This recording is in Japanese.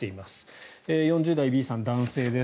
４０代、Ｂさん、男性です。